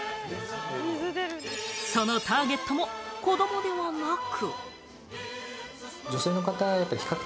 そのターゲットも子どもではなく。